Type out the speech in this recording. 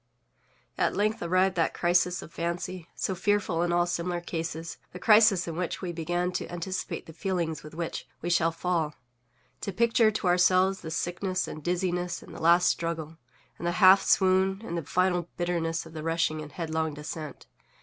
At length arrived that crisis of fancy, so fearful in all similar cases, the crisis in which we began to anticipate the feelings with which we _shall_fall—to picture to ourselves the sickness, and dizziness, and the last struggle, and the half swoon, and the final bitterness of the rushing and headlong descent.